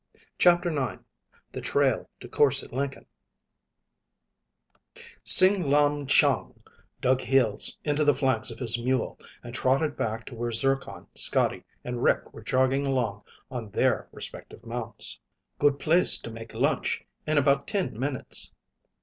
CHAPTER IX The Trail to Korse Lenken Sing Lam chiong dug heels into the flanks of his mule and trotted back to where Zircon, Scotty, and Rick were jogging along on their respective mounts. "Good place to make lunch, in about ten minutes."